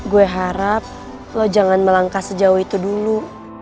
gue harap lo jangan melangkah sejauh itu dulu